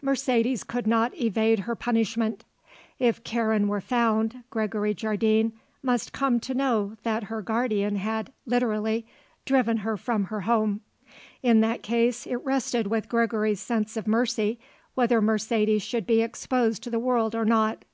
Mercedes could not evade her punishment. If Karen were found Gregory Jardine must come to know that her guardian had, literally, driven her from her home. In that case it rested with Gregory's sense of mercy whether Mercedes should be exposed to the world or not.